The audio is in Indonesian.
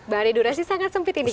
bahan edulasi sangat sempit ini